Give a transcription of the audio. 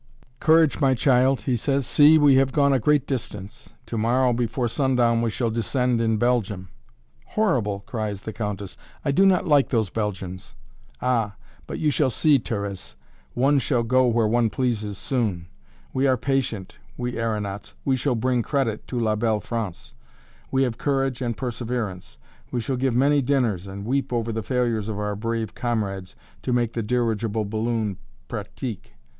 "Courage, my child," he says; "see, we have gone a great distance; to morrow before sundown we shall descend in Belgium." "Horrible!" cries the Countess; "I do not like those Belgians." "Ah! but you shall see, Thérèse, one shall go where one pleases soon; we are patient, we aeronauts; we shall bring credit to La Belle France; we have courage and perseverance; we shall give many dinners and weep over the failures of our brave comrades, to make the dirigible balloon 'pratique.'